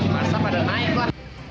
masa pada naik lah